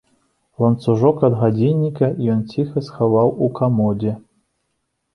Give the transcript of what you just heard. Ланцужок ад гадзінніка ён ціха схаваў у камодзе.